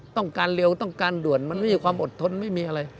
ต้องการเร็วต้องการด่วนมันไม่มีความอดทนไม่มีอะไร